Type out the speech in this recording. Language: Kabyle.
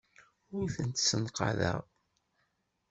Ur tent-ssenqaḍeɣ.